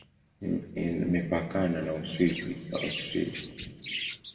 Imepakana na Uswisi na Austria.